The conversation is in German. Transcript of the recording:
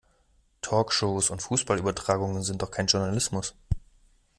Talkshows und Fußballübertragungen sind doch kein Journalismus!